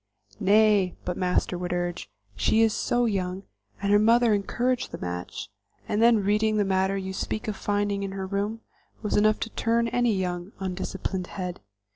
"Nay," but Master would urge, "she is so young, her mother encouraged the match, and then the reading matter you speak of finding in her room, was enough to turn any young, undisciplined head.